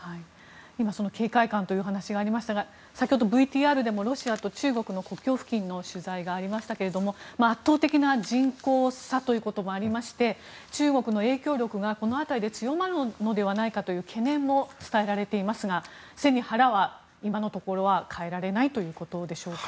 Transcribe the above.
今、警戒感というお話がありましたが先ほど、ＶＴＲでもロシアと中国の国境付近の取材がありましたけれども圧倒的な人口差ということもありまして中国の影響力がこの辺りで強まるのではないかという懸念も伝えられていますが背に腹は今のところは代えられないということでしょうか。